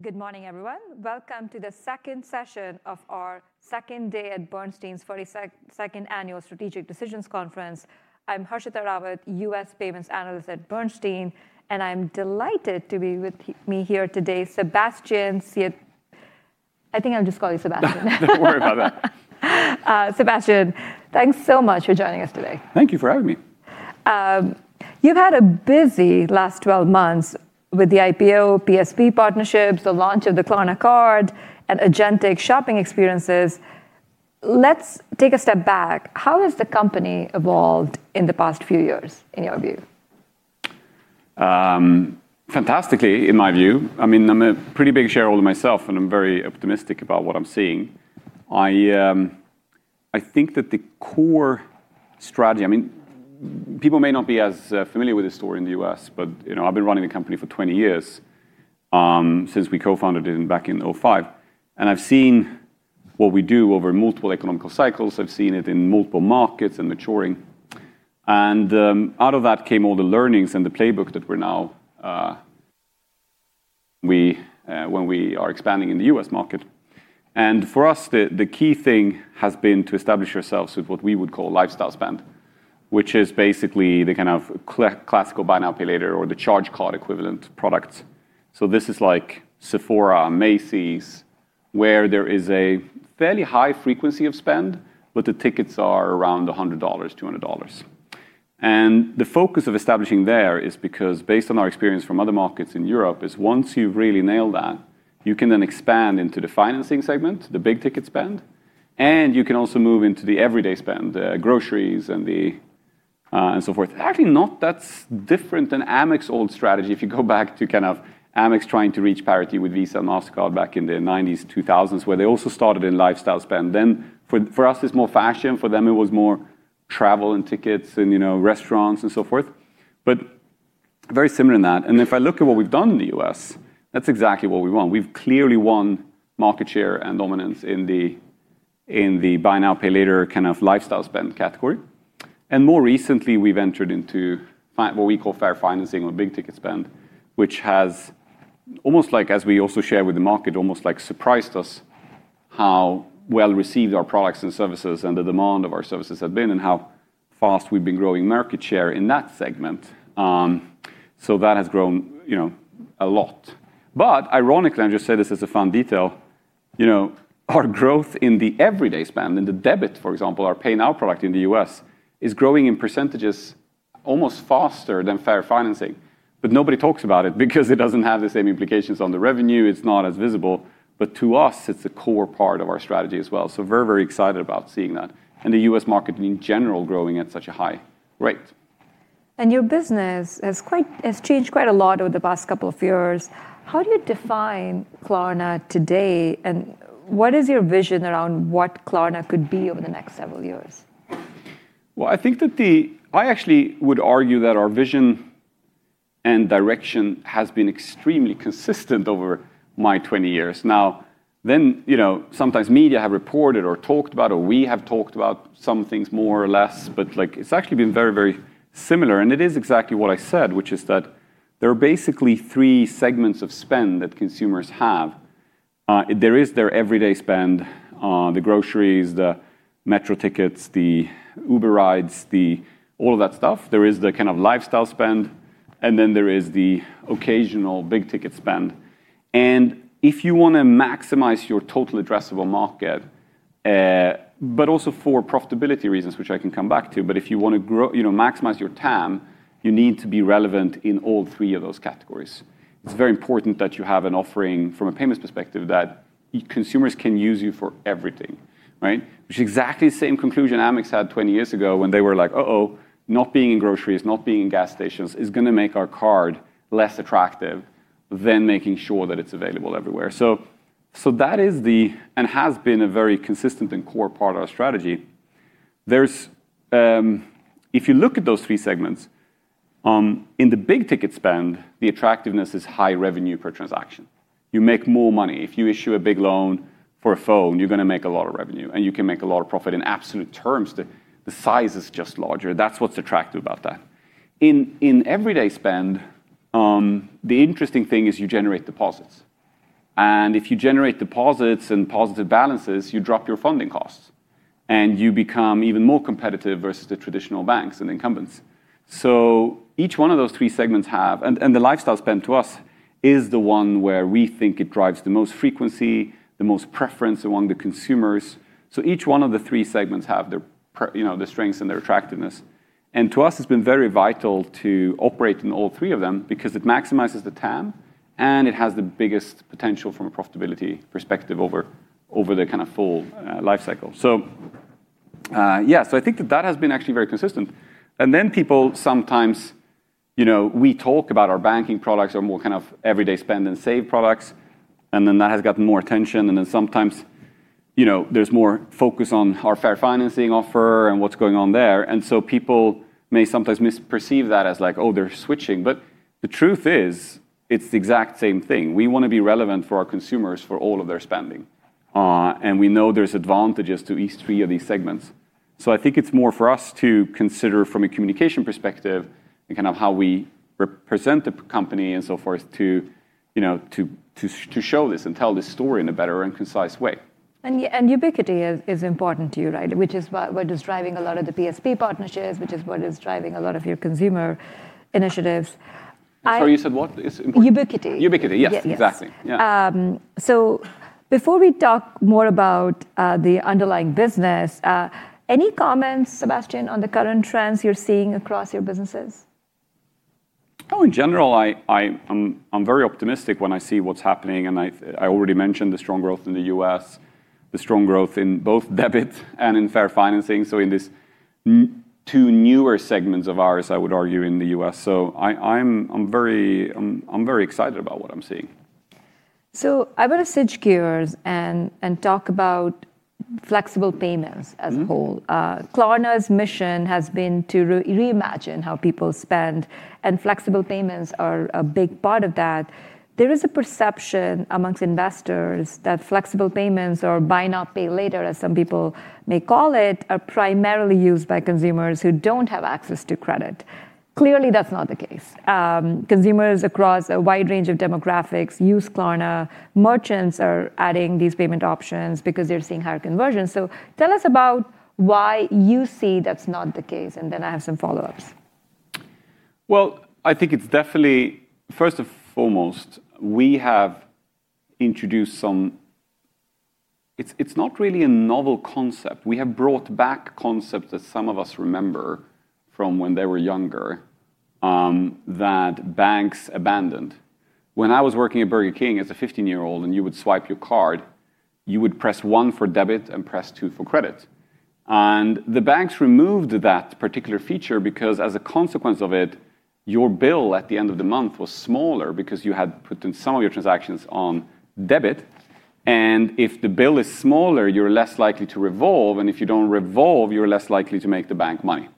Good morning, everyone. Welcome to the second session of our second day at Bernstein's 42nd annual Strategic Decisions Conference. I'm Harshita Rawat, U.S. payments analyst at Bernstein, and I'm delighted to be with me here today, Sebastian. I think I'll just call you Sebastian. Don't worry about that. Sebastian, thanks so much for joining us today. Thank you for having me. You've had a busy last 12 months with the IPO, PSP partnerships, the launch of the Klarna Card and agentic shopping experiences. Let's take a step back. How has the company evolved in the past few years, in your view? Fantastically, in my view. I'm a pretty big shareholder myself, and I'm very optimistic about what I'm seeing. I think that the core strategy People may not be as familiar with this story in the U.S., but I've been running the company for 20 years, since we co-founded it back in 2005. I've seen what we do over multiple economic cycles. I've seen it in multiple markets and maturing. Out of that came all the learnings and the playbook when we are expanding in the U.S. market. For us, the key thing has been to establish ourselves with what we would call lifestyle spend, which is basically the kind of classical buy now, pay later or the charge card equivalent products. This is like Sephora, Macy's, where there is a fairly high frequency of spend, but the tickets are around $100, $200. The focus of establishing there is because based on our experience from other markets in Europe, is once you've really nailed that, you can then expand into the financing segment, the big ticket spend, and you can also move into the everyday spend, groceries and so forth. Actually not that different than Amex's old strategy. If you go back to Amex trying to reach parity with Visa and Mastercard back in the '1990s and 2000s, where they also started in lifestyle spend then. For us, it's more fashion. For them, it was more travel and tickets and restaurants and so forth. Very similar in that. If I look at what we've done in the U.S., that's exactly what we want. We've clearly won market share and dominance in the buy now, pay later kind of lifestyle spend category. More recently, we've entered into what we call Fair Financing or big ticket spend, which has, almost like as we also share with the market, almost surprised us how well received our products and services and the demand of our services have been, and how fast we've been growing market share in that segment. That has grown a lot. Ironically, I just say this as a fun detail, our growth in the everyday spend, in the debit, for example, our Pay Now product in the U.S., is growing in percentages almost faster than Fair Financing. Nobody talks about it because it doesn't have the same implications on the revenue. It's not as visible, but to us, it's a core part of our strategy as well. We're very excited about seeing that and the U.S. market in general growing at such a high rate. Your business has changed quite a lot over the past couple of years. How do you define Klarna today, and what is your vision around what Klarna could be over the next several years? I actually would argue that our vision and direction has been extremely consistent over my 20 years now. Sometimes media have reported or talked about, or we have talked about some things more or less, but it's actually been very similar, and it is exactly what I said, which is that there are basically three segments of spend that consumers have. There is their everyday spend, the groceries, the metro tickets, the Uber rides, all of that stuff. There is the kind of lifestyle spend, and then there is the occasional big-ticket spend. If you want to maximize your total addressable market, but also for profitability reasons, which I can come back to, but if you want to maximize your TAM, you need to be relevant in all three of those categories. It's very important that you have an offering from a payments perspective that consumers can use you for everything, right? Which is exactly the same conclusion Amex had 20 years ago when they were like, "Uh-oh, not being in groceries, not being in gas stations is going to make our card less attractive than making sure that it's available everywhere." That is and has been a very consistent and core part of our strategy. If you look at those three segments, in the big ticket spend, the attractiveness is high revenue per transaction. You make more money. If you issue a big loan for a phone, you're going to make a lot of revenue, and you can make a lot of profit. In absolute terms, the size is just larger. That's what's attractive about that. In everyday spend, the interesting thing is you generate deposits, and if you generate deposits and positive balances, you drop your funding costs, and you become even more competitive versus the traditional banks and incumbents. Each one of those three segments have, and the lifestyle spend to us is the one where we think it drives the most frequency, the most preference among the consumers. Each one of the three segments have their strengths and their attractiveness, and to us, it's been very vital to operate in all three of them because it maximizes the TAM and it has the biggest potential from a profitability perspective over the kind of full life cycle. I think that has been actually very consistent. People sometimes we talk about our banking products are more kind of everyday spend and save products, and then that has gotten more attention. Sometimes there's more focus on our Fair Financing offer and what's going on there. People may sometimes misperceive that as like, "Oh, they're switching." The truth is, it's the exact same thing. We want to be relevant for our consumers for all of their spending. We know there's advantages to each three of these segments. I think it's more for us to consider from a communication perspective and kind of how we represent the company and so forth to show this and tell this story in a better and concise way. Ubiquity is important to you, right? Which is what is driving a lot of the PSP partnerships, which is what is driving a lot of your consumer initiatives. Sorry, you said what is important? Ubiquity. Ubiquity. Yes, exactly. Yes. Yeah. Before we talk more about the underlying business, any comments, Sebastian, on the current trends you're seeing across your businesses? In general, I'm very optimistic when I see what's happening, and I already mentioned the strong growth in the U.S., the strong growth in both debit and in Fair Financing. In these two newer segments of ours, I would argue, in the U.S. I'm very excited about what I'm seeing. I want to switch gears and talk about flexible payments as a whole. Klarna's mission has been to reimagine how people spend. Flexible payments are a big part of that. There is a perception amongst investors that flexible payments or buy now, pay later, as some people may call it, are primarily used by consumers who don't have access to credit. Clearly, that's not the case. Consumers across a wide range of demographics use Klarna. Merchants are adding these payment options because they're seeing higher conversion. Tell us about why you see that's not the case. I have some follow-ups. Well, I think it's definitely, first and foremost, we have introduced. It's not really a novel concept. We have brought back concepts that some of us remember from when they were younger, that banks abandoned. When I was working at Burger King as a 15-year-old, you would swipe your card, you would press one for debit and press two for credit. The banks removed that particular feature because as a consequence of it, your bill at the end of the month was smaller because you had put in some of your transactions on debit, and if the bill is smaller, you're less likely to revolve, and if you don't revolve, you're less likely to make the bank money.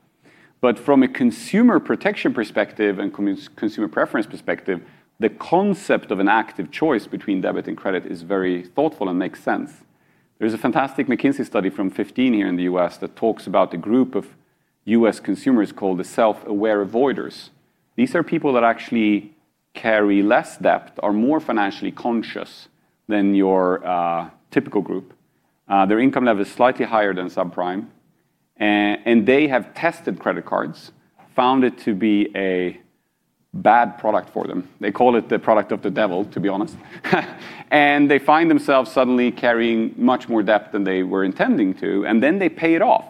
From a consumer protection perspective and consumer preference perspective, the concept of an active choice between debit and credit is very thoughtful and makes sense. There's a fantastic McKinsey study from 2015 here in the U.S. that talks about a group of U.S. consumers called the self-aware avoiders. These are people that actually carry less debt, are more financially conscious than your typical group. Their income level is slightly higher than subprime, and they have tested credit cards, found it to be a bad product for them. They call it the product of the devil, to be honest. They find themselves suddenly carrying much more debt than they were intending to, and then they pay it off.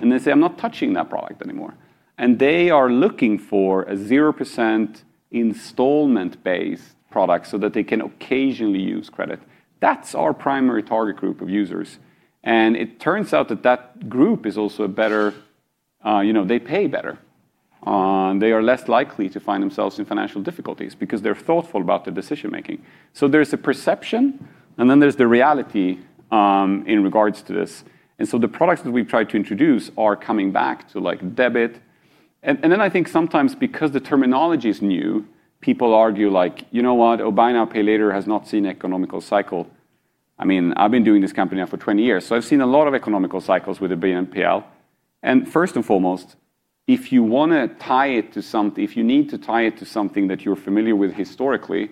They say, "I'm not touching that product anymore." They are looking for a 0% installment-based product so that they can occasionally use credit. That's our primary target group of users, and it turns out that that group is also better. They pay better. They are less likely to find themselves in financial difficulties because they're thoughtful about their decision making. There's the perception, and then there's the reality in regards to this. The products that we've tried to introduce are coming back, so like debit. Then I think sometimes because the terminology is new, people argue like, "You know what? Oh, buy now, pay later has not seen economic cycle." I mean, I've been doing this company now for 20 years, I've seen a lot of economic cycles with the BNPL. First and foremost, if you need to tie it to something that you're familiar with historically,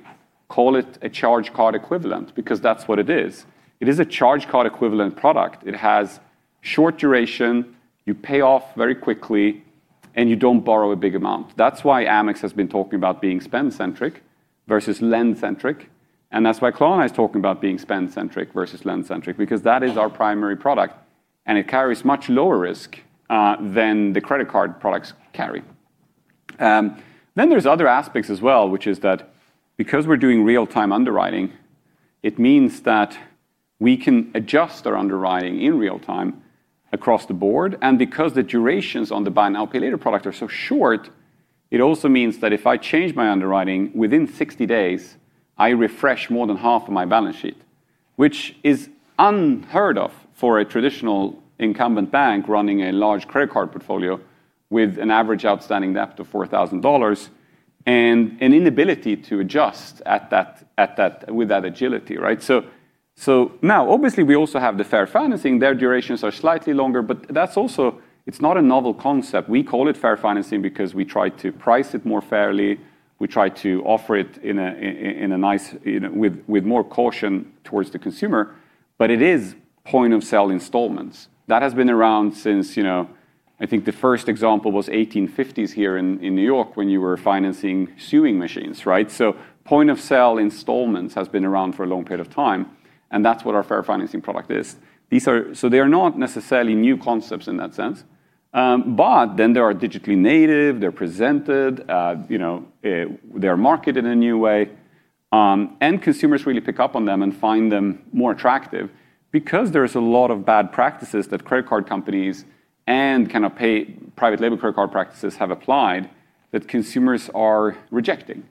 call it a charge card equivalent because that's what it is. It is a charge card equivalent product. It has short duration, you pay off very quickly, and you don't borrow a big amount. That's why Amex has been talking about being spend-centric versus lend-centric, and that's why Klarna is talking about being spend-centric versus lend-centric because that is our primary product, and it carries much lower risk than the credit card products carry. There's other aspects as well, which is that because we're doing real-time underwriting, it means that we can adjust our underwriting in real time across the board. Because the durations on the buy now, pay later product are so short, it also means that if I change my underwriting, within 60 days, I refresh more than half of my balance sheet, which is unheard of for a traditional incumbent bank running a large credit card portfolio with an average outstanding debt of $4,000 and an inability to adjust with that agility, right? Now obviously we also have the Fair Financing. Their durations are slightly longer, but that's also, it's not a novel concept. We call it Fair Financing because we try to price it more fairly. We try to offer it with more caution towards the consumer. It is point-of-sale installments. That has been around since, I think the first example was 1850s here in New York when you were financing sewing machines, right? Point-of-sale installments has been around for a long period of time, and that's what our Fair Financing product is. They're not necessarily new concepts in that sense. They are digitally native. They're presented, they're marketed in a new way, and consumers really pick up on them and find them more attractive because there's a lot of bad practices that credit card companies and kind of private label credit card practices have applied that consumers are rejecting.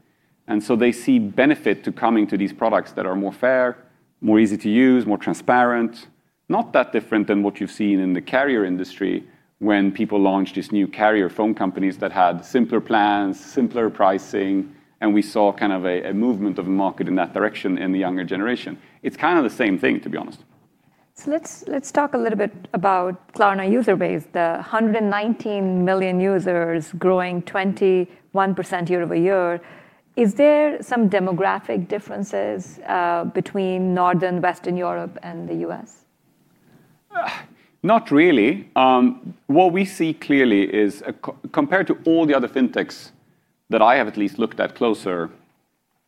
They see benefit to coming to these products that are more fair, more easy to use, more transparent. Not that different than what you've seen in the carrier industry when people launched these new carrier phone companies that had simpler plans, simpler pricing, and we saw kind of a movement of the market in that direction in the younger generation. It's kind of the same thing, to be honest. Let's talk a little bit about Klarna user base, the 119 million users growing 21% year-over-year. Is there some demographic differences between Northern and Western Europe and the U.S.? Not really. What we see clearly is, compared to all the other fintechs that I have at least looked at closer,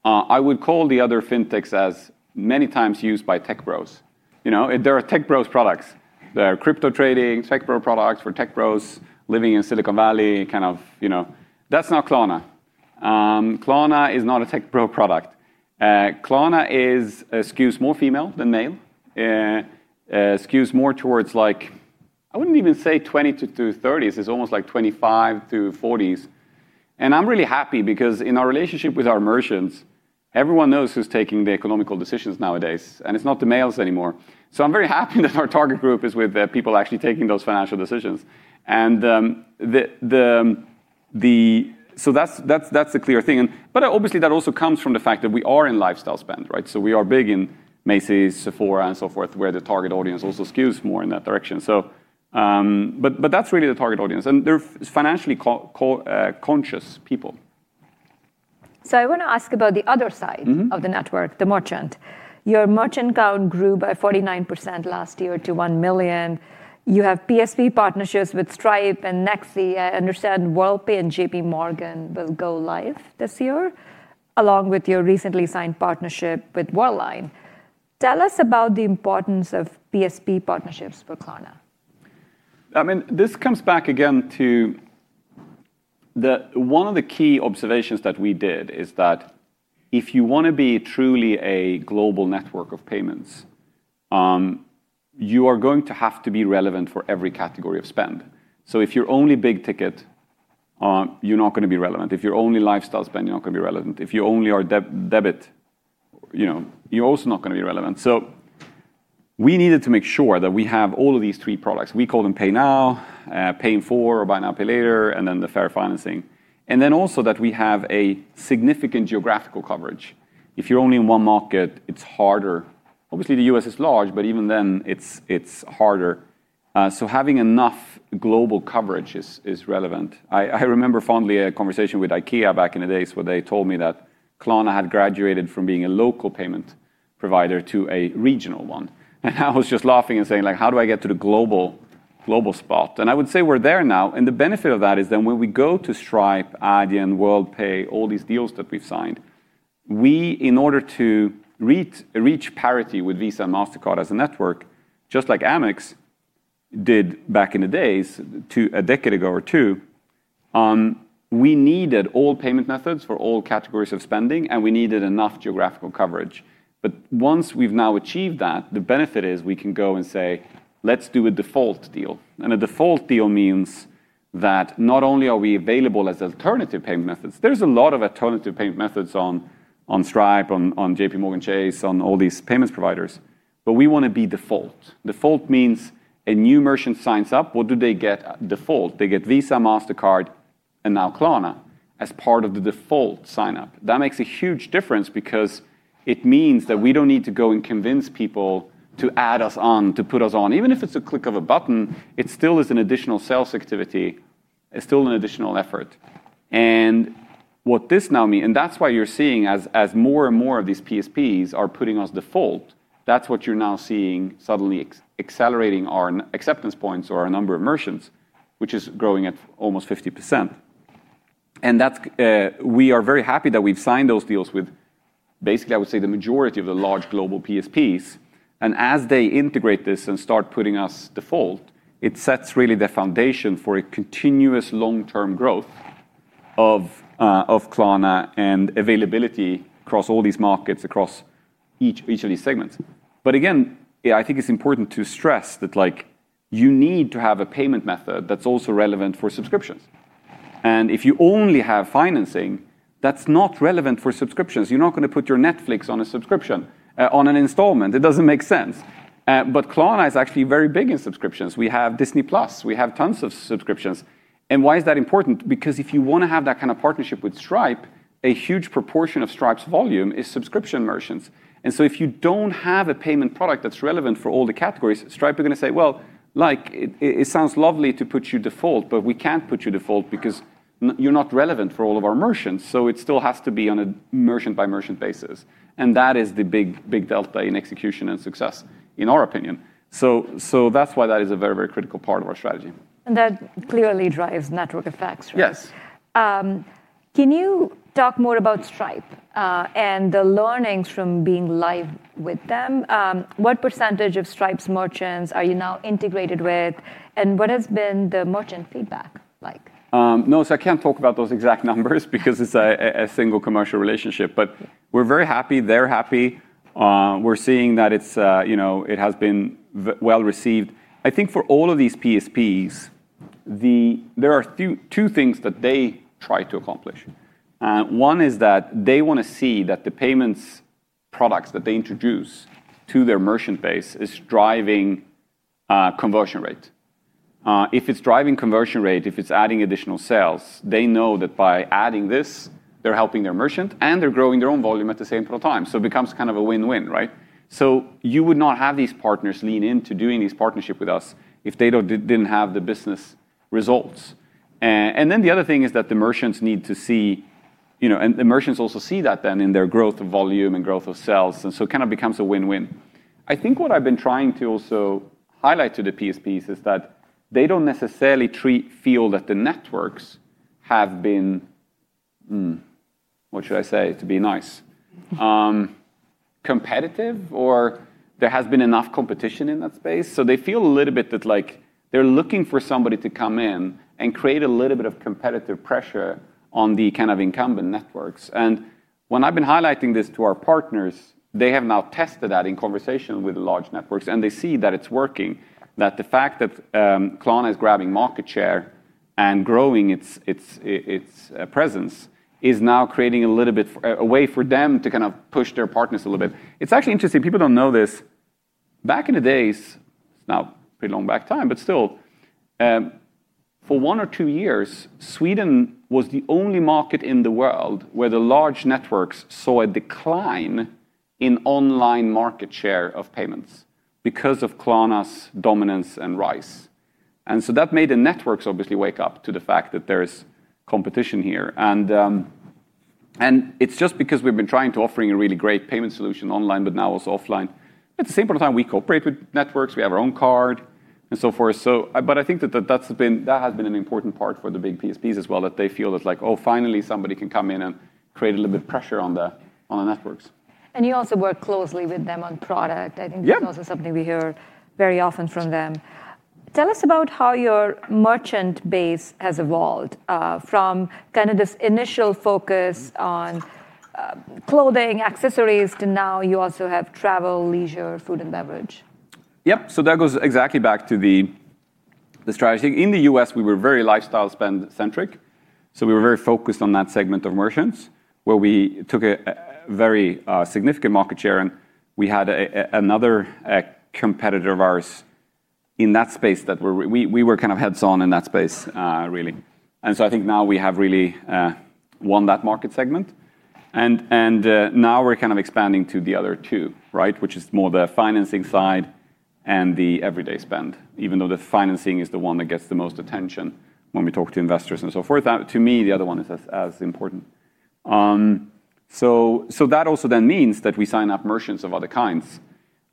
I would call the other fintechs as many times used by tech bros. They are tech bros products. They are crypto trading tech bro products for tech bros living in Silicon Valley. That's not Klarna. Klarna is not a tech bro product. Klarna skews more female than male, skews more towards, I wouldn't even say 20 to 30s. It's almost like 25 to 40s. I'm really happy because in our relationship with our merchants, everyone knows who's taking the economical decisions nowadays, and it's not the males anymore. I'm very happy that our target group is with the people actually taking those financial decisions, that's the clear thing. Obviously, that also comes from the fact that we are in lifestyle spend, right? We are big in Macy's, Sephora, and so forth, where the target audience also skews more in that direction. That's really the target audience, and they're financially conscious people. I want to ask about the other side of the network, the merchant. Your merchant count grew by 49% last year to 1 million. You have PSP partnerships with Stripe and Nexi. I understand Worldpay and JPMorgan will go live this year, along with your recently signed partnership with Worldline. Tell us about the importance of PSP partnerships for Klarna. This comes back again to one of the key observations that we did, is that if you want to be truly a global network of payments, you are going to have to be relevant for every category of spend. If you're only big ticket, you're not going to be relevant. If you're only lifestyle spend, you're not going to be relevant. If you only are debit, you're also not going to be relevant. We needed to make sure that we have all of these three products. We call them Pay Now, Pay in 4, or buy now, pay later, and then the third, financing. Also that we have a significant geographical coverage. If you're only in one market, it's harder. Obviously, the U.S. is large, but even then it's harder. Having enough global coverage is relevant. I remember fondly a conversation with IKEA back in the days where they told me that Klarna had graduated from being a local payment provider to a regional one, and I was just laughing and saying, "How do I get to the global spot?" I would say we're there now, and the benefit of that is then when we go to Stripe, Adyen, Worldpay, all these deals that we've signed, we, in order to reach parity with Visa and Mastercard as a network, just like Amex did back in the days, a decade ago or two, we needed all payment methods for all categories of spending, and we needed enough geographical coverage. Once we've now achieved that, the benefit is we can go and say, "Let's do a default deal." A default deal means that not only are we available as alternative payment methods, there's a lot of alternative payment methods on Stripe, on JPMorgan Chase, on all these payments providers, but we want to be default. Default means a new merchant signs up, what do they get default? They get Visa, Mastercard, and now Klarna as part of the default sign-up. That makes a huge difference because it means that we don't need to go and convince people to add us on, to put us on. Even if it's a click of a button, it still is an additional sales activity. It's still an additional effort. That's why you're seeing as more and more of these PSPs are putting us default, that's what you're now seeing suddenly accelerating our acceptance points or our number of merchants, which is growing at almost 50%. We are very happy that we've signed those deals with basically, I would say, the majority of the large global PSPs. As they integrate this and start putting us default, it sets really the foundation for a continuous long-term growth of Klarna and availability across all these markets, across each of these segments. Again, I think it's important to stress that you need to have a payment method that's also relevant for subscriptions. If you only have financing that's not relevant for subscriptions, you're not going to put your Netflix on a subscription, on an installment. It doesn't make sense. Klarna is actually very big in subscriptions. We have Disney+. We have tons of subscriptions. Why is that important? Because if you want to have that kind of partnership with Stripe, a huge proportion of Stripe's volume is subscription merchants. If you don't have a payment product that's relevant for all the categories, Stripe are going to say, "Well, it sounds lovely to put you default, but we can't put you default because you're not relevant for all of our merchants." It still has to be on a merchant-by-merchant basis. That is the big delta in execution and success in our opinion. That's why that is a very, very critical part of our strategy. That clearly drives network effects, right? Yes. Can you talk more about Stripe, and the learnings from being live with them? What percentage of Stripe's merchants are you now integrated with, and what has been the merchant feedback like? No, I can't talk about those exact numbers because it's a single commercial relationship. We're very happy. They're happy. We're seeing that it has been well-received. I think for all of these PSPs, there are two things that they try to accomplish. One is that they want to see that the payments products that they introduce to their merchant base is driving conversion rate. If it's driving conversion rate, if it's adding additional sales, they know that by adding this, they're helping their merchant, and they're growing their own volume at the same time. It becomes a win-win, right? You would not have these partners lean into doing these partnership with us if they didn't have the business results. The other thing is that the merchants need to see, the merchants also see that then in their growth of volume and growth of sales, it becomes a win-win. I think what I've been trying to also highlight to the PSPs is that they don't necessarily feel that the networks have been, what should I say to be nice? Competitive, or there has been enough competition in that space. They feel a little bit that they're looking for somebody to come in and create a little bit of competitive pressure on the incumbent networks. When I've been highlighting this to our partners, they have now tested that in conversation with the large networks, and they see that it's working. The fact that Klarna is grabbing market share and growing its presence is now creating a way for them to push their partners a little bit. It's actually interesting. People don't know this. Back in the days, it's now pretty long back time, but still, for one or two years, Sweden was the only market in the world where the large networks saw a decline in online market share of payments because of Klarna's dominance and rise. That made the networks obviously wake up to the fact that there is competition here. It's just because we've been trying to offering a really great payment solution online, but now also offline. At the same point in time, we cooperate with networks. We have our own card and so forth. I think that has been an important part for the big PSPs as well, that they feel that like, "Oh, finally somebody can come in and create a little bit of pressure on the networks. You also work closely with them on product. Yeah. I think that's also something we hear very often from them. Tell us about how your merchant base has evolved, from this initial focus on clothing, accessories, to now you also have travel, leisure, food, and beverage. Yeah. That goes exactly back to the strategy. In the U.S., we were very lifestyle spend centric, we were very focused on that segment of merchants where we took a very significant market share, we had another competitor of ours in that space that we were heads on in that space, really. I think now we have really won that market segment. Now we're expanding to the other two, which is more the financing side and the everyday spend. Even though the financing is the one that gets the most attention when we talk to investors and so forth, to me, the other one is as important. That also then means that we sign up merchants of other kinds.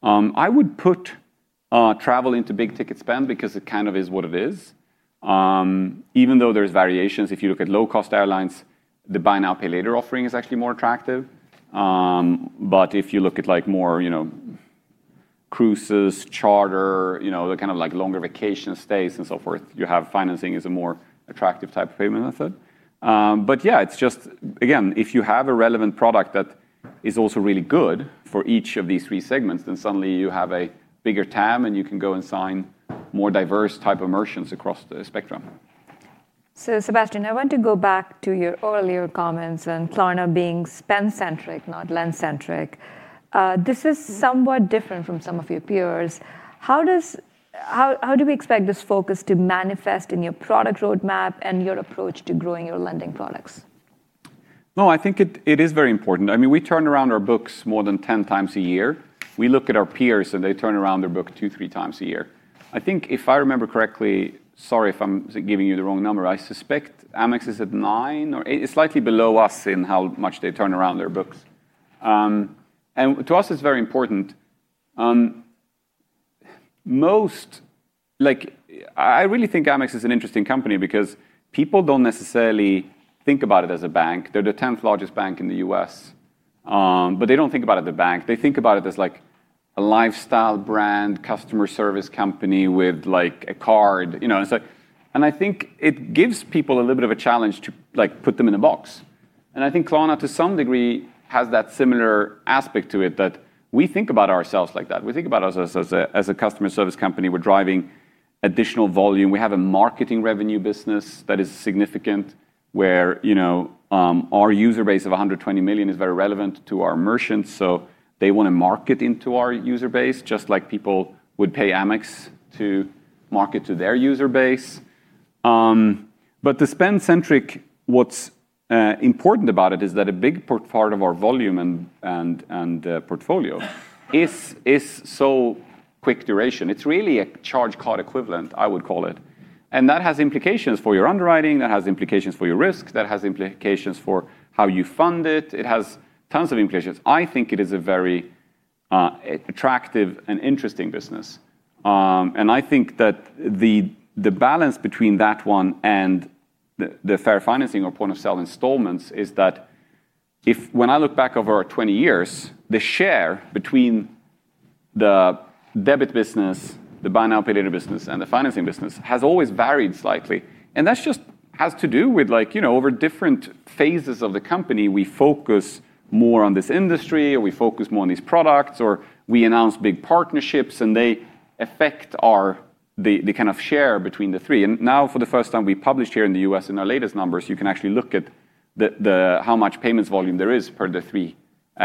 I would put travel into big ticket spend because it is what it is. Even though there's variations, if you look at low-cost airlines, the buy now, pay later offering is actually more attractive. If you look at more cruises, charter, the longer vacation stays and so forth, you have financing is a more attractive type of payment method. Yeah, it's just, again, if you have a relevant product that is also really good for each of these three segments, then suddenly you have a bigger TAM, and you can go and sign more diverse type of merchants across the spectrum. Sebastian, I want to go back to your earlier comments on Klarna being spend centric, not lend centric. This is somewhat different from some of your peers. How do we expect this focus to manifest in your product roadmap and your approach to growing your lending products? No, I think it is very important. We turn around our books more than 10 times a year. We look at our peers, and they turn around their book two, three times a year. I think, if I remember correctly, sorry if I'm giving you the wrong number. I suspect Amex is at nine or eight. It's slightly below us in how much they turn around their books. To us, it's very important. I really think Amex is an interesting company because people don't necessarily think about it as a bank. They're the 10th largest bank in the U.S. They don't think about it as a bank. They think about it as a lifestyle brand customer service company with a card. I think it gives people a little bit of a challenge to put them in a box. I think Klarna, to some degree, has that similar aspect to it that we think about ourselves like that. We think about us as a customer service company. We're driving additional volume. We have a marketing revenue business that is significant, where our user base of 120 million is very relevant to our merchants, so they want to market into our user base, just like people would pay Amex to market to their user base. The spend centric, what's important about it is that a big part of our volume and portfolio is so quick duration. It's really a charge card equivalent, I would call it. That has implications for your underwriting, that has implications for your risk, that has implications for how you fund it. It has tons of implications. I think it is a very attractive and interesting business. I think that the balance between that one and the Fair Financing or point of sale installments is that if when I look back over our 20 years, the share between the debit business, the buy now, pay later business, and the financing business has always varied slightly. That just has to do with over different phases of the company, we focus more on this industry, or we focus more on these products, or we announce big partnerships, and they affect the share between the three. Now, for the first time, we published here in the U.S. in our latest numbers, you can actually look at how much payments volume there is per the three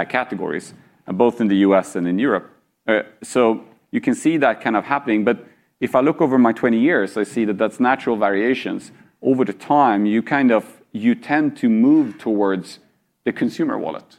categories, both in the U.S. and in Europe. You can see that happening. If I look over my 20 years, I see that that's natural variations. Over the time, you tend to move towards the consumer wallet.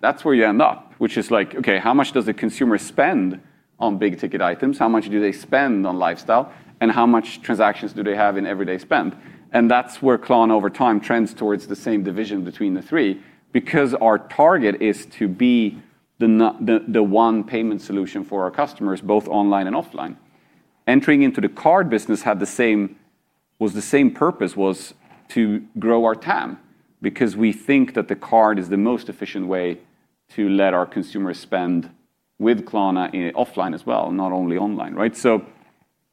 That's where you end up, which is like, okay, how much does the consumer spend on big-ticket items? How much do they spend on lifestyle? How much transactions do they have in everyday spend? That's where Klarna, over time, trends towards the same division between the three. Because our target is to be the one payment solution for our customers, both online and offline. Entering into the card business had the same purpose, was to grow our TAM, because we think that the card is the most efficient way to let our consumers spend with Klarna in offline as well, not only online, right?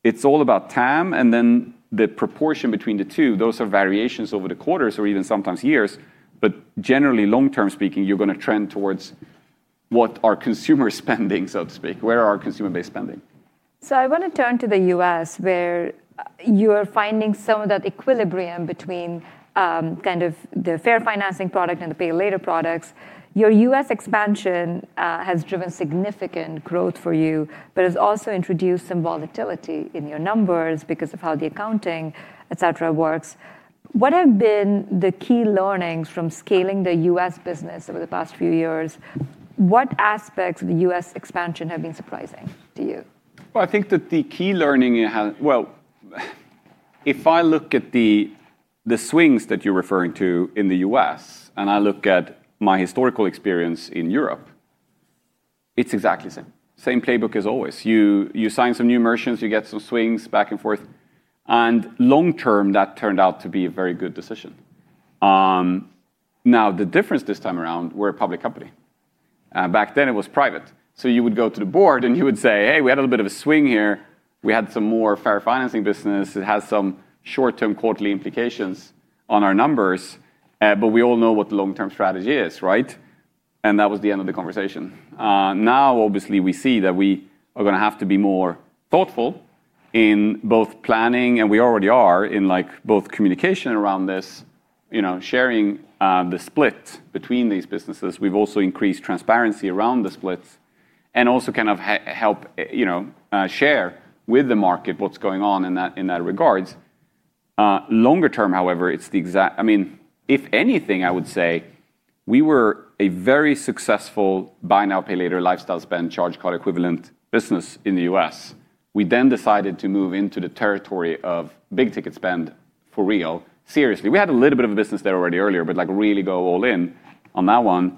It's all about TAM, and then the proportion between the two. Those are variations over the quarters or even sometimes years. Generally, long-term speaking, you're going to trend towards what are consumer spending, so to speak, where are consumer-based spending. I want to turn to the U.S., where you are finding some of that equilibrium between the Fair Financing product and the Pay later products. Your U.S. expansion has driven significant growth for you, but has also introduced some volatility in your numbers because of how the accounting, et cetera, works. What have been the key learnings from scaling the U.S. business over the past few years? What aspects of the U.S. expansion have been surprising to you? I think that the key learning. Well, if I look at the swings that you're referring to in the U.S., and I look at my historical experience in Europe, it's exactly the same. Same playbook as always. You sign some new merchants, you get some swings back and forth. Long-term, that turned out to be a very good decision. Now, the difference this time around, we're a public company. Back then it was private. You would go to the board and you would say, "Hey, we had a little bit of a swing here. We had some more Fair Financing business. It has some short-term quarterly implications on our numbers. We all know what the long-term strategy is, right?" That was the end of the conversation. Now, obviously, we see that we are going to have to be more thoughtful in both planning, and we already are, in both communication around this, sharing the split between these businesses. We've also increased transparency around the splits and also help share with the market what's going on in that regard. Longer term, however, if anything, I would say we were a very successful buy now, pay later lifestyle spend charge card equivalent business in the U.S. We decided to move into the territory of big-ticket spend for real. Seriously. We had a little bit of a business there already earlier, but really go all in on that one.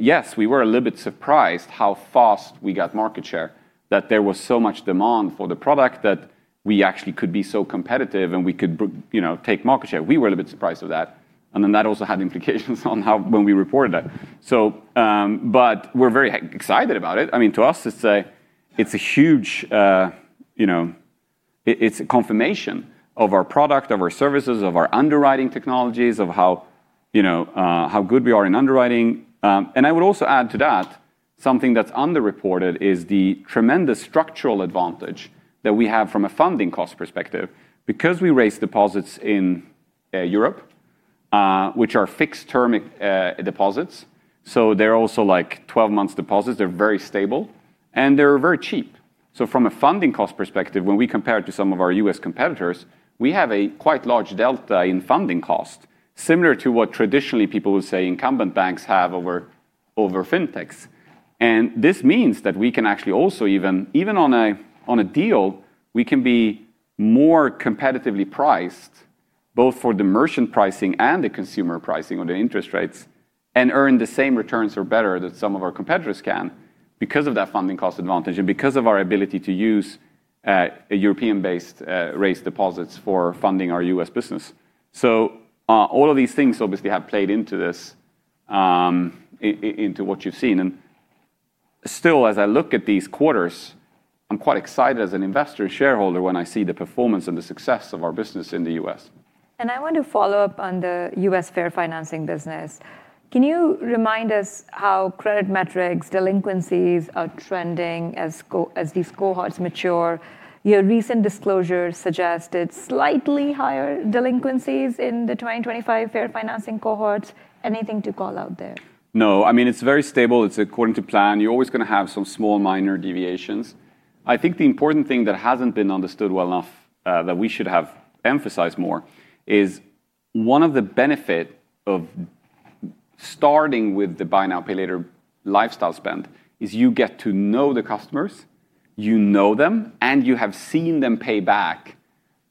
Yes, we were a little bit surprised how fast we got market share, that there was so much demand for the product that we actually could be so competitive and we could take market share. We were a little bit surprised with that. That also had implications when we reported that. We're very excited about it. To us, it's a confirmation of our product, of our services, of our underwriting technologies, of how good we are in underwriting. I would also add to that something that's underreported is the tremendous structural advantage that we have from a funding cost perspective because we raise deposits in Europe, which are fixed-term deposits. They're also 12 months deposits. They're very stable and they're very cheap. From a funding cost perspective, when we compare it to some of our U.S. competitors, we have a quite large delta in funding cost, similar to what traditionally people would say incumbent banks have over fintechs. This means that we can actually also, even on a deal, we can be more competitively priced, both for the merchant pricing and the consumer pricing on the interest rates, and earn the same returns or better than some of our competitors can because of that funding cost advantage and because of our ability to use a European-based raise deposits for funding our U.S. business. All of these things obviously have played into what you've seen. Still, as I look at these quarters, I'm quite excited as an investor shareholder when I see the performance and the success of our business in the U.S. I want to follow up on the U.S. Fair Financing business. Can you remind us how credit metrics, delinquencies are trending as these cohorts mature? Your recent disclosure suggested slightly higher delinquencies in the 2025 Fair Financing cohorts. Anything to call out there? No. It's very stable. It's according to plan. You're always going to have some small minor deviations. I think the important thing that hasn't been understood well enough, that we should have emphasized more is one of the benefit of starting with the buy now, pay later lifestyle spend is you get to know the customers. You know them, you have seen them pay back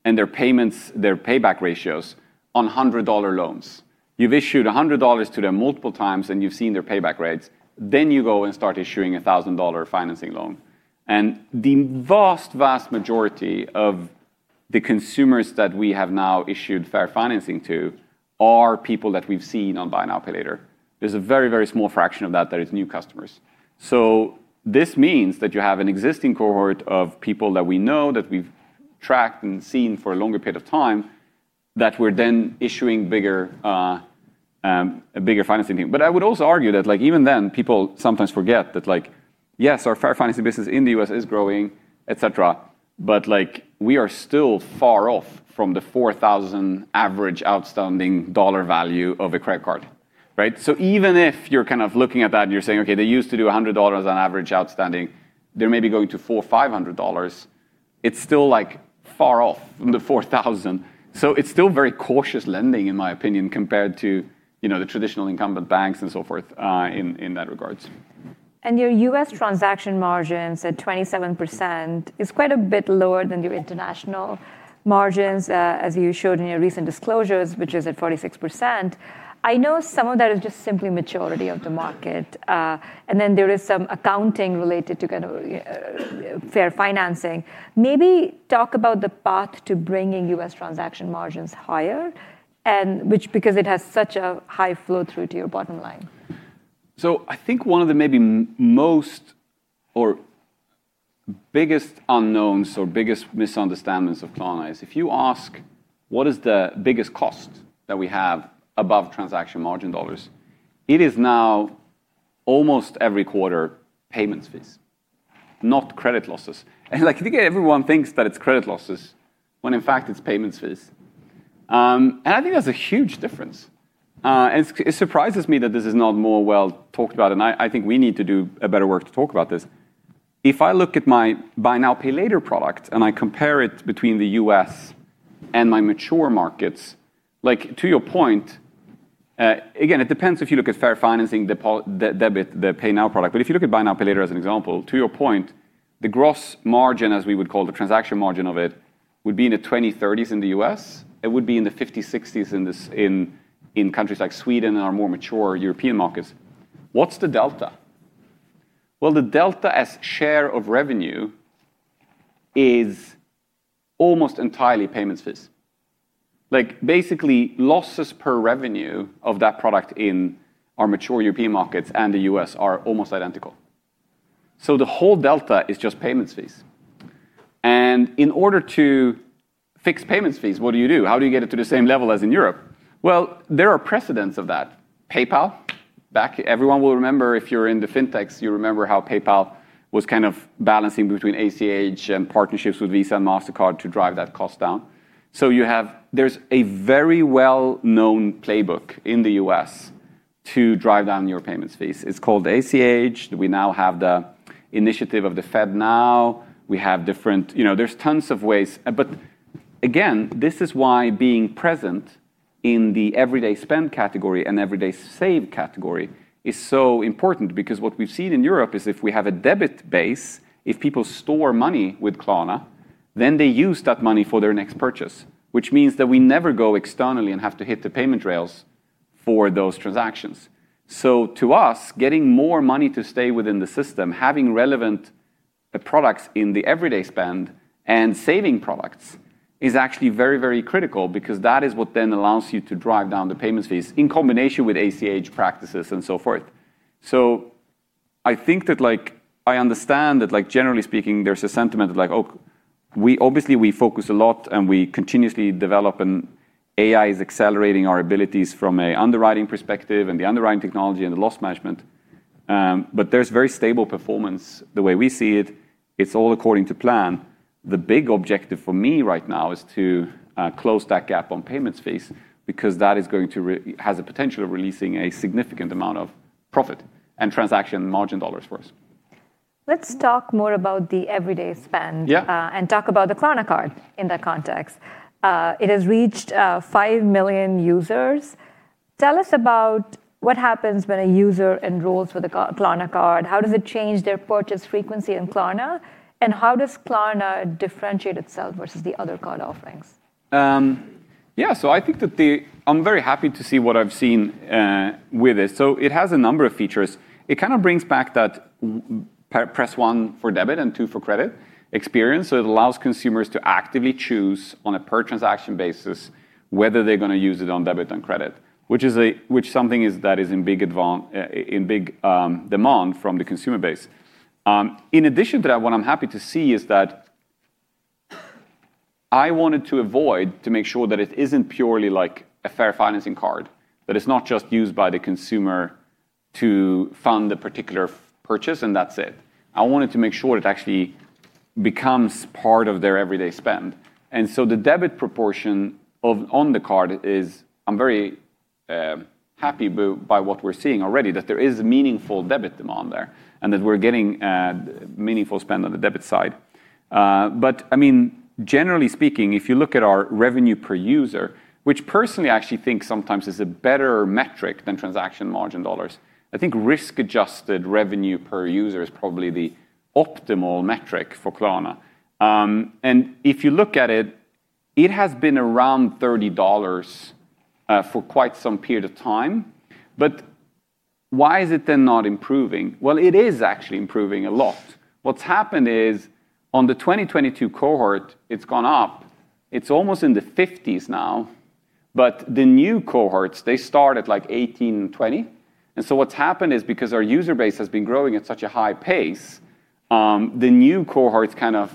and their payback ratios on $100 loans. You've issued $100 to them multiple times and you've seen their payback rates. You go and start issuing a $1,000 financing loan. The vast majority of the consumers that we have now issued Fair Financing to are people that we've seen on buy now, pay later. There's a very small fraction of that that is new customers. This means that you have an existing cohort of people that we know, that we've tracked and seen for a longer period of time, that we're then issuing a bigger financing thing. I would also argue that even then, people sometimes forget that. Yes, our Fair Financing business in the U.S. is growing, et cetera, but we are still far off from the $4,000 average outstanding dollar value of a credit card. Right? Even if you're looking at that and you're saying, okay, they used to do $100 on average outstanding, they're maybe going to $400 or $500, it's still far off from the $4,000. It's still very cautious lending, in my opinion, compared to the traditional incumbent banks and so forth in that regards. Your U.S. transaction margins at 27% is quite a bit lower than your international margins, as you showed in your recent disclosures, which is at 46%. I know some of that is just simply maturity of the market, and then there is some accounting related to Fair Financing. Maybe talk about the path to bringing U.S. transaction margins higher, because it has such a high flow through to your bottom line. I think one of the maybe most or biggest unknowns or biggest misunderstandings of Klarna is if you ask what is the biggest cost that we have above transaction margin dollars, it is now almost every quarter payments fees, not credit losses. I think everyone thinks that it's credit losses when in fact it's payments fees. I think that's a huge difference. It surprises me that this is not more well talked about, and I think we need to do better work to talk about this. If I look at my buy now, pay later product and I compare it between the U.S. and my mature markets, to your point, again, it depends if you look at Fair Financing, the debit, the Pay Now product. If you look at buy now, pay later as an example, to your point, the gross margin, as we would call the transaction margin of it, would be in the 20s, 30s in the U.S. It would be in the 50s, 60s in countries like Sweden and our more mature European markets. What's the delta? The delta as share of revenue is almost entirely payments fees. Basically, losses per revenue of that product in our mature European markets and the U.S. are almost identical. The whole delta is just payments fees. In order to fix payments fees, what do you do? How do you get it to the same level as in Europe? There are precedents of that. PayPal, back, everyone will remember if you're in the fintechs, you remember how PayPal was kind of balancing between ACH and partnerships with Visa and Mastercard to drive that cost down. There's a very well-known playbook in the U.S. to drive down your payments fees. It's called ACH. We now have the initiative of the FedNow. There's tons of ways. Again, this is why being present in the everyday spend category and everyday save category is so important, because what we've seen in Europe is if we have a debit base, if people store money with Klarna, then they use that money for their next purchase, which means that we never go externally and have to hit the payment rails for those transactions. To us, getting more money to stay within the system, having relevant products in the everyday spend and saving products is actually very, very critical because that is what then allows you to drive down the payments fees in combination with ACH practices and so forth. I think that I understand that generally speaking, there's a sentiment of like, okay. Obviously, we focus a lot and we continuously develop, and AI is accelerating our abilities from a underwriting perspective and the underwriting technology and the loss management, but there's very stable performance. The way we see it's all according to plan. The big objective for me right now is to close that gap on payments fees because that has a potential of releasing a significant amount of profit and transaction margin dollars for us. Let's talk more about the everyday spend. Yeah. Talk about the Klarna Card in that context. It has reached 5 million users. Tell us about what happens when a user enrolls with a Klarna Card. How does it change their purchase frequency in Klarna, and how does Klarna differentiate itself versus the other card offerings? Yeah. I'm very happy to see what I've seen with it. It has a number of features. It kind of brings back that press one for debit and two for credit experience. It allows consumers to actively choose on a per transaction basis whether they're going to use it on debit and credit, which something that is in big demand from the consumer base. In addition to that, what I'm happy to see is that I wanted to avoid to make sure that it isn't purely like a Fair Financing card, that it's not just used by the consumer to fund a particular purchase and that's it. I wanted to make sure it actually becomes part of their everyday spend. The debit proportion on the card is I'm very happy by what we're seeing already, that there is meaningful debit demand there, and that we're getting meaningful spend on the debit side. Generally speaking, if you look at our revenue per user, which personally I actually think sometimes is a better metric than transaction margin dollars. I think risk-adjusted revenue per user is probably the optimal metric for Klarna. If you look at it has been around $30 for quite some period of time. Why is it then not improving? Well, it is actually improving a lot. What's happened is on the 2022 cohort, it's gone up. It's almost in the $50s now. The new cohorts, they start at like $18 and $20. What's happened is because our user base has been growing at such a high pace. The new cohorts kind of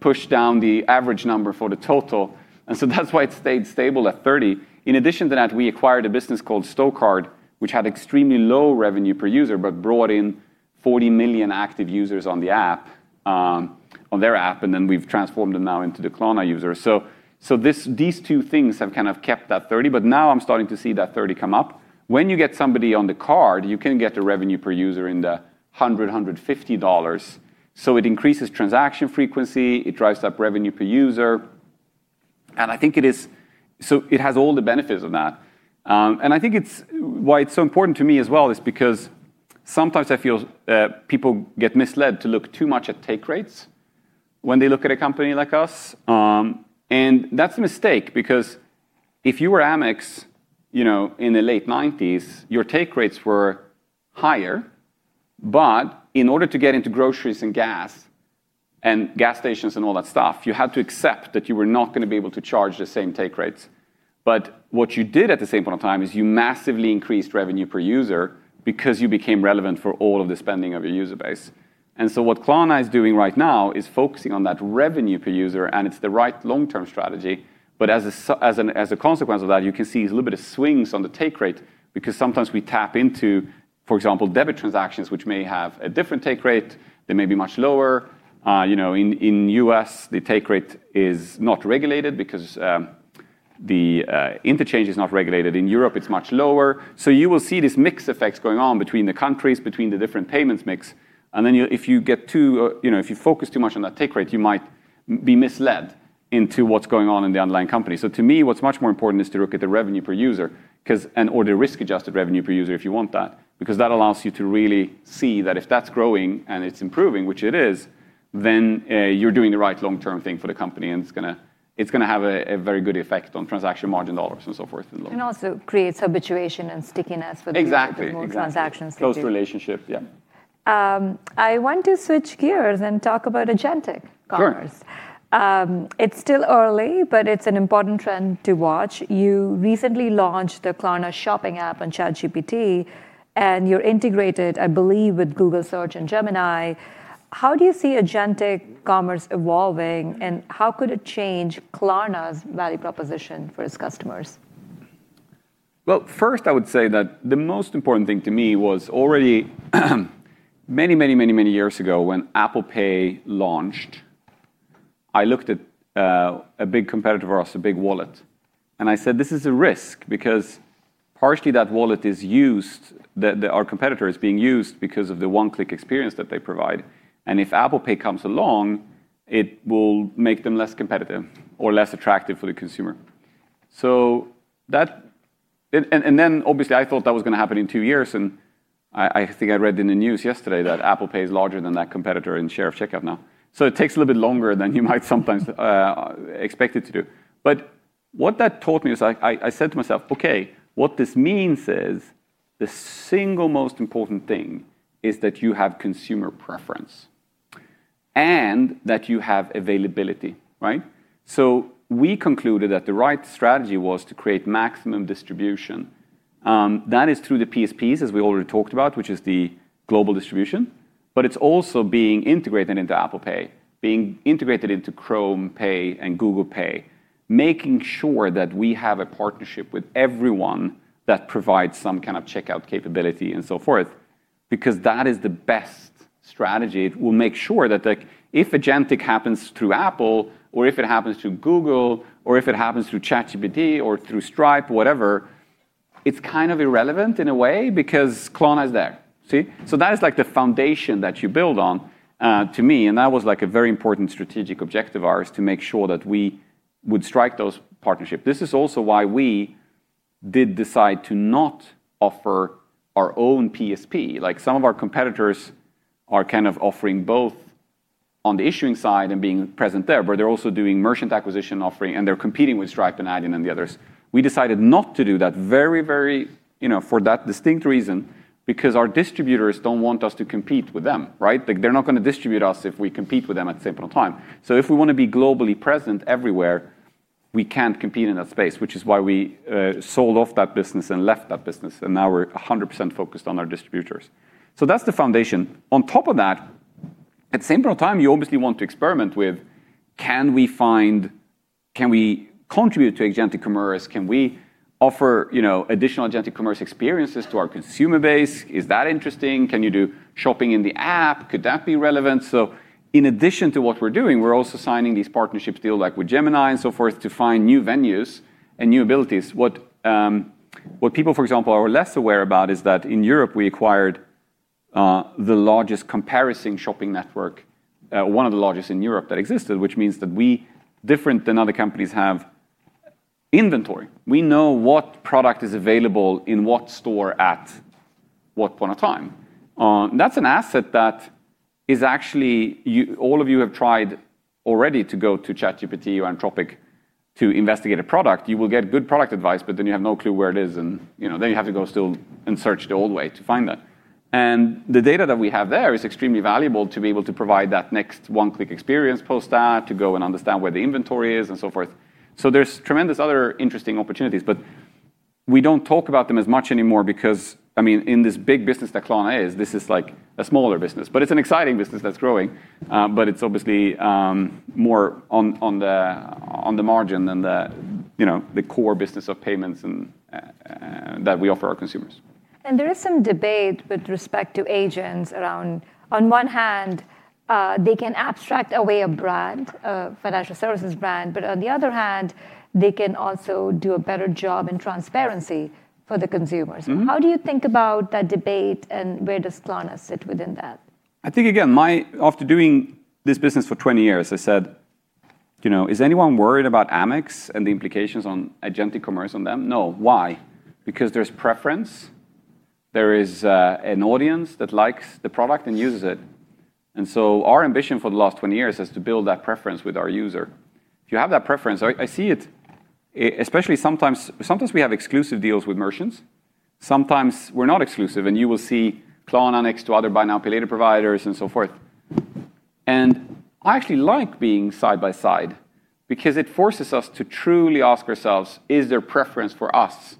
pushed down the average number for the total, that's why it stayed stable at $30. In addition to that, we acquired a business called Stocard, which had extremely low revenue per user, but brought in 40 million active users on their app, and then we've transformed them now into the Klarna users. These two things have kind of kept that $30, but now I'm starting to see that $30 come up. When you get somebody on the card, you can get the revenue per user in the $100, $150. It increases transaction frequency, it drives up revenue per user. It has all the benefits of that. I think why it's so important to me as well is because sometimes I feel people get misled to look too much at take rates when they look at a company like us, and that's a mistake because if you were Amex in the late '1990s, your take rates were higher. In order to get into groceries and gas and gas stations and all that stuff, you had to accept that you were not going to be able to charge the same take rates. What you did at the same point of time is you massively increased revenue per user because you became relevant for all of the spending of your user base. What Klarna is doing right now is focusing on that revenue per user, and it's the right long-term strategy. As a consequence of that, you can see a little bit of swings on the take rate because sometimes we tap into, for example, debit transactions, which may have a different take rate. They may be much lower. In U.S., the take rate is not regulated because the interchange is not regulated. In Europe, it's much lower. You will see these mix effects going on between the countries, between the different payments mix. If you focus too much on that take rate, you might be misled into what's going on in the underlying company. To me, what's much more important is to look at the revenue per user or the risk-adjusted revenue per user if you want that, because that allows you to really see that if that's growing and it's improving, which it is, then you're doing the right long-term thing for the company, and it's going to have a very good effect on transaction margin dollar and so forth. Also creates habituation and stickiness for- Exactly. more transactions. Close relationship. Yeah. I want to switch gears and talk about agentic commerce. Sure. It's still early, but it's an important trend to watch. You recently launched the Klarna shopping app on ChatGPT, and you're integrated, I believe, with Google Search and Gemini. How do you see agentic commerce evolving, and how could it change Klarna's value proposition for its customers? Well, first, I would say that the most important thing to me was already many years ago when Apple Pay launched, I looked at a big competitor of ours, a big wallet, and I said, "This is a risk because partially our competitor is being used because of the one-click experience that they provide. If Apple Pay comes along, it will make them less competitive or less attractive for the consumer." Then obviously, I thought that was going to happen in two years, and I think I read in the news yesterday that Apple Pay is larger than that competitor in share of checkout now. It takes a little bit longer than you might sometimes expect it to do. What that taught me is I said to myself, "Okay, what this means is the single most important thing is that you have consumer preference and that you have availability." Right? We concluded that the right strategy was to create maximum distribution. That is through the PSPs, as we already talked about, which is the global distribution, but it's also being integrated into Apple Pay, being integrated into Chrome Pay and Google Pay, making sure that we have a partnership with everyone that provides some kind of checkout capability and so forth because that is the best strategy. It will make sure that if agentic happens through Apple or if it happens through Google, or if it happens through ChatGPT or through Stripe, whatever, it's kind of irrelevant in a way because Klarna is there. See? That is like the foundation that you build on, to me, and that was a very important strategic objective of ours, to make sure that we would strike those partnerships. This is also why we did decide to not offer our own PSP. Some of our competitors are offering both on the issuing side and being present there, but they're also doing merchant acquisition offering, and they're competing with Stripe and Adyen and the others. We decided not to do that for that distinct reason, because our distributors don't want us to compete with them, right? They're not going to distribute us if we compete with them at the same point of time. If we want to be globally present everywhere, we can't compete in that space, which is why we sold off that business and left that business, and now we're 100% focused on our distributors. That's the foundation. On top of that, at the same point of time, you obviously want to experiment with, can we contribute to agentic commerce? Can we offer additional agentic commerce experiences to our consumer base? Is that interesting? Can you do shopping in the app? Could that be relevant? In addition to what we're doing, we're also signing these partnership deals, like with Gemini and so forth, to find new venues and new abilities. What people, for example, are less aware about is that in Europe, we acquired the largest comparison shopping network, one of the largest in Europe that existed, which means that we, different than other companies, have inventory. We know what product is available in what store at what point of time. That's an asset that is actually All of you have tried already to go to ChatGPT or Anthropic to investigate a product. You will get good product advice, but then you have no clue where it is, and then you have to go still and search the old way to find that. The data that we have there is extremely valuable to be able to provide that next one-click experience post that, to go and understand where the inventory is and so forth. There's tremendous other interesting opportunities. We don't talk about them as much anymore because, in this big business that Klarna is, this is a smaller business. It's an exciting business that's growing, but it's obviously more on the margin than the core business of payments that we offer our consumers. There is some debate with respect to agents around, on one hand, they can abstract away a brand, a financial services brand, but on the other hand, they can also do a better job in transparency for the consumers. How do you think about that debate and where does Klarna sit within that? I think, again, after doing this business for 20 years, I said, "Is anyone worried about Amex and the implications on Adyen e-commerce on them?" No. Why? Because there's preference. There is an audience that likes the product and uses it. Our ambition for the last 20 years is to build that preference with our user. If you have that preference, I see it, especially sometimes we have exclusive deals with merchants, sometimes we're not exclusive, and you will see Klarna next to other buy now, pay later providers and so forth. I actually like being side by side because it forces us to truly ask ourselves, is there preference for us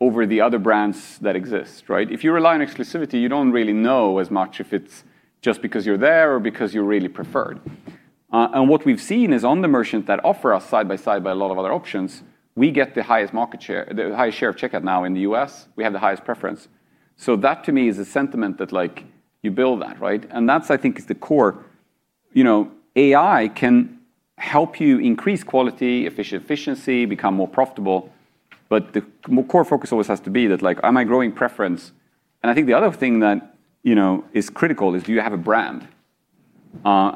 over the other brands that exist, right? If you rely on exclusivity, you don't really know as much if it's just because you're there or because you're really preferred. What we've seen is on the merchants that offer us side by side by a lot of other options, we get the highest share of checkout now in the U.S., we have the highest preference. That to me is a sentiment that you build that, right? That I think is the core. AI can help you increase quality, efficiency, become more profitable, but the core focus always has to be that, am I growing preference? I think the other thing that is critical is do you have a brand?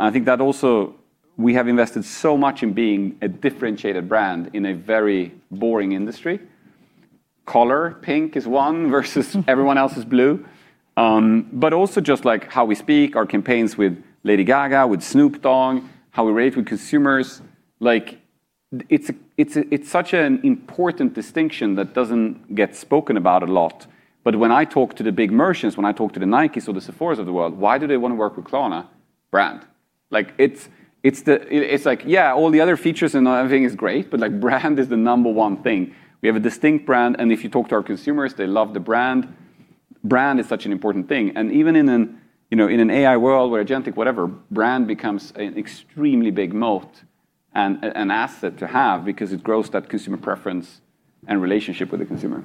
I think that also we have invested so much in being a differentiated brand in a very boring industry. Color, pink is one versus everyone else's blue. Also just how we speak, our campaigns with Lady Gaga, with Snoop Dogg, how we rate with consumers. It's such an important distinction that doesn't get spoken about a lot. When I talk to the big merchants, when I talk to the Nikes or the Sephoras of the world, why do they want to work with Klarna? Brand. It's like, yeah, all the other features and everything is great, but brand is the number one thing. We have a distinct brand, and if you talk to our consumers, they love the brand. Brand is such an important thing. Even in an AI world, where agentic whatever, brand becomes an extremely big moat and an asset to have because it grows that consumer preference and relationship with the consumer.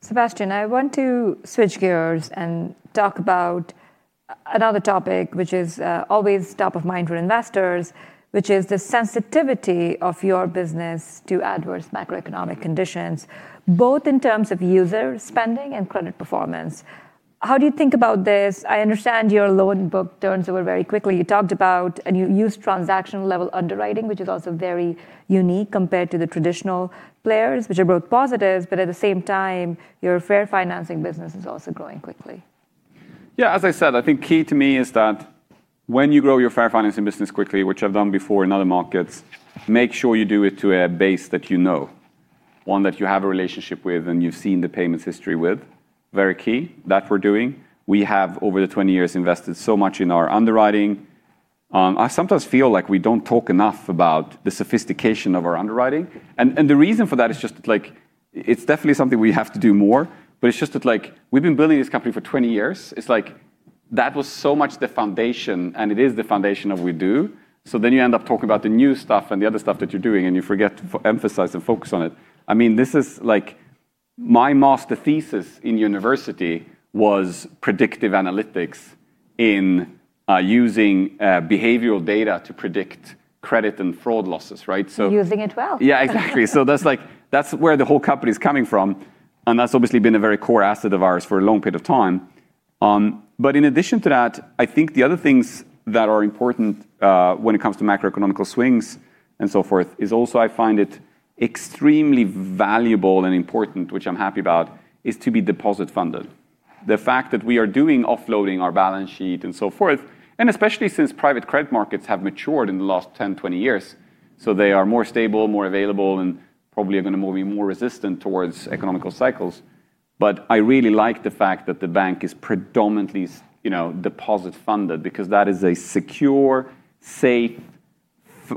Sebastian, I want to switch gears and talk about another topic, which is always top of mind for investors, which is the sensitivity of your business to adverse macroeconomic conditions, both in terms of user spending and credit performance. How do you think about this? I understand your loan book turns over very quickly. You talked about, and you use transaction-level underwriting, which is also very unique compared to the traditional players, which are both positives, but at the same time, your Fair Financing business is also growing quickly. Yeah. As I said, I think key to me is that when you grow your Fair Financing business quickly, which I've done before in other markets, make sure you do it to a base that you know, one that you have a relationship with and you've seen the payments history with. Very key that we're doing. We have, over the 20 years, invested so much in our underwriting. I sometimes feel like we don't talk enough about the sophistication of our underwriting. The reason for that is just it's definitely something we have to do more, but it's just that we've been building this company for 20 years, it's like that was so much the foundation and it is the foundation of we do. You end up talking about the new stuff and the other stuff that you're doing, and you forget to emphasize and focus on it. My master's thesis in university was predictive analytics in using behavioral data to predict credit and fraud losses, right? You're using it well. Yeah, exactly. That's where the whole company's coming from, and that's obviously been a very core asset of ours for a long period of time. In addition to that, I think the other things that are important, when it comes to macroeconomic swings and so forth, is also I find it extremely valuable and important, which I'm happy about, is to be deposit-funded. The fact that we are doing offloading our balance sheet and so forth, and especially since private credit markets have matured in the last 10, 20 years, so they are more stable, more available, and probably are going to be more resistant towards economic cycles. I really like the fact that the bank is predominantly deposit-funded because that is a secure, safe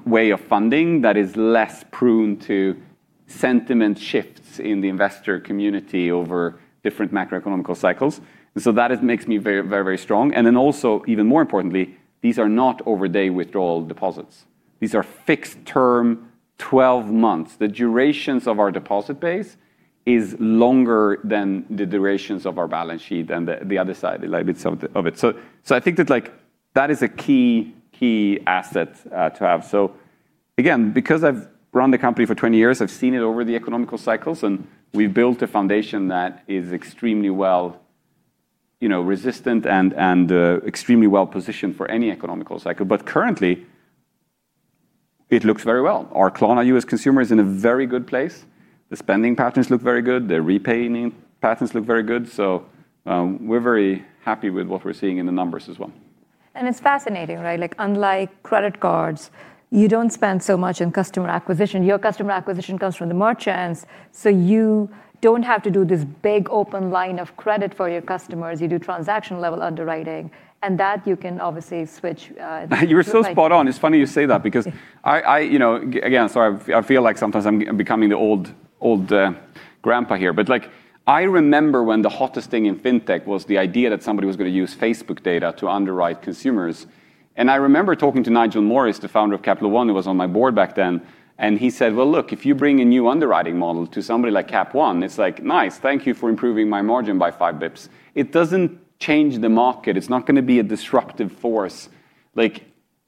way of funding that is less prone to sentiment shifts in the investor community over different macroeconomic cycles. That makes me very, very strong. Then also, even more importantly, these are not over day withdrawal deposits. These are fixed term 12 months. The durations of our deposit base is longer than the durations of our balance sheet and the other side of it. I think that is a key asset to have. Again, because I've run the company for 20 years, I've seen it over the economic cycles, and we've built a foundation that is extremely well resistant and extremely well-positioned for any economic cycle. Currently, it looks very well. Our Klarna U.S. consumer is in a very good place. The spending patterns look very good. The repaying patterns look very good. We're very happy with what we're seeing in the numbers as well. It's fascinating, right? Like unlike credit cards, you don't spend so much on customer acquisition. Your customer acquisition comes from the merchants, you don't have to do this big open line of credit for your customers. You do transaction-level underwriting. You can obviously switch your underwriting. You're so spot on. It's funny you say that because I Again, sorry, I feel like sometimes I'm becoming the old grandpa here. I remember when the hottest thing in fintech was the idea that somebody was going to use Facebook data to underwrite consumers. I remember talking to Nigel Morris, the founder of Capital One, who was on my board back then, and he said, "Well, look, if you bring a new underwriting model to somebody like Cap One, it's like, 'Nice. Thank you for improving my margin by five basis points.'" It doesn't change the market. It's not going to be a disruptive force.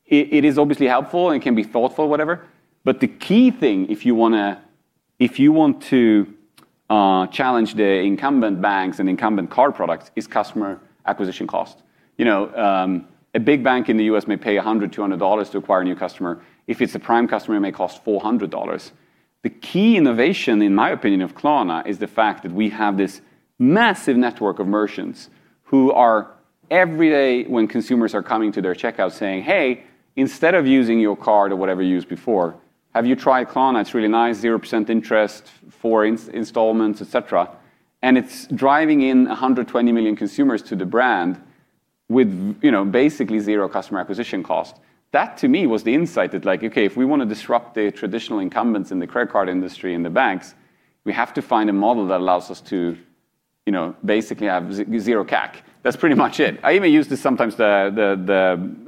It is obviously helpful and can be thoughtful, whatever. The key thing if you want to challenge the incumbent banks and incumbent card products is customer acquisition cost. A big bank in the U.S. may pay $100, $200 to acquire a new customer. If it's a prime customer, it may cost $400. The key innovation, in my opinion, of Klarna, is the fact that we have this massive network of merchants who are every day when consumers are coming to their checkout saying, "Hey, instead of using your card or whatever you used before, have you tried Klarna? It's really nice, 0% interest for installments, et cetera." It's driving in 120 million consumers to the brand with basically zero customer acquisition cost. That to me was the insight that like, okay, if we want to disrupt the traditional incumbents in the credit card industry and the banks, we have to find a model that allows us to basically have zero CAC. That's pretty much it. I even use this sometimes the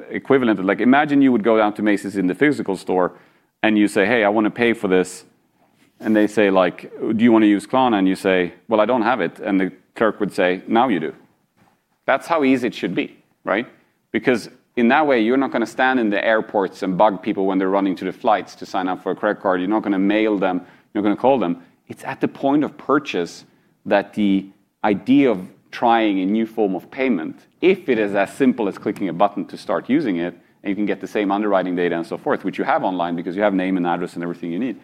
equivalent of like imagine you would go down to Macy's in the physical store and you say, "Hey, I want to pay for this." They say, like, "Do you want to use Klarna?" You say, "Well, I don't have it." The clerk would say, "Now you do." That's how easy it should be, right? In that way, you're not going to stand in the airports and bug people when they're running to the flights to sign up for a credit card. You're not going to mail them. You're not going to call them. It's at the point of purchase that the idea of trying a new form of payment, if it is as simple as clicking a button to start using it, and you can get the same underwriting data and so forth, which you have online because you have name and address and everything you need,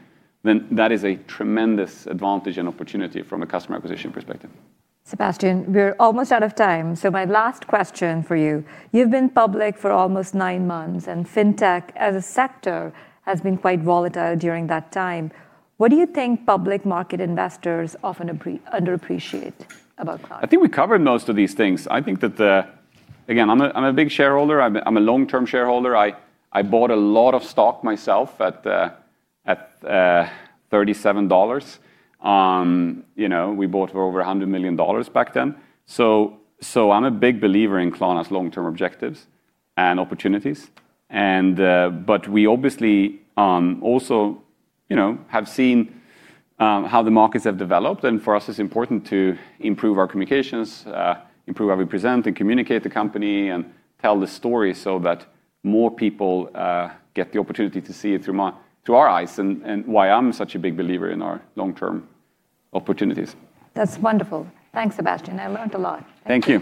then that is a tremendous advantage and opportunity from a customer acquisition perspective. Sebastian, we're almost out of time. My last question for you. You've been public for almost nine months, and fintech as a sector has been quite volatile during that time. What do you think public market investors often underappreciate about Klarna? I think we covered most of these things. I'm a big shareholder. I'm a long-term shareholder. I bought a lot of stock myself at $37. We bought for over $100 million back then. I'm a big believer in Klarna's long-term objectives and opportunities. We obviously also have seen how the markets have developed, and for us, it's important to improve our communications, improve how we present and communicate the company and tell the story so that more people get the opportunity to see it through our eyes and why I'm such a big believer in our long-term opportunities. That's wonderful. Thanks, Sebastian. I learned a lot. Thank you.